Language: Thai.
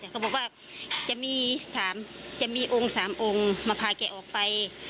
ก็บอกว่าจะมี๓องค์มาพาแกออกไป